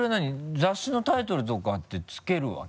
雑誌のタイトルとかって付けるわけ？